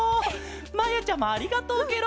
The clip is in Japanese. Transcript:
まやちゃまありがとうケロ！